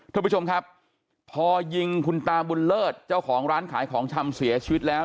ท่านผู้ชมครับพอยิงคุณตาบุญเลิศเจ้าของร้านขายของชำเสียชีวิตแล้ว